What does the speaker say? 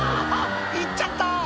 行っちゃった！」